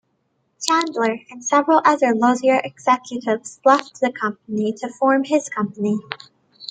Chandler and several other Lozier executives left the company to form his company.